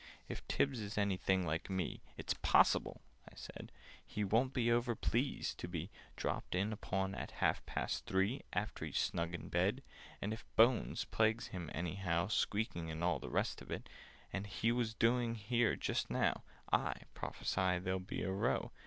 "If Tibbs is anything like me, It's possible," I said, "He won't be over pleased to be Dropped in upon at half past three, After he's snug in bed. "And if Bones plagues him anyhow— Squeaking and all the rest of it, As he was doing here just now— I prophesy there'll be a row, And Tibbs will have the best of it!"